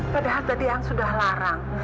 padahal tadi yang sudah larang